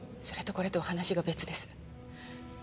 それとこれとは話が別です。